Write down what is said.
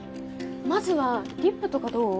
まずはリップとかどう？